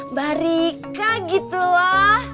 mbak rika gitulah